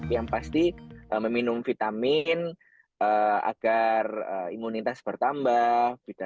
yang pasti meminum vitamin agar imunitas bertambah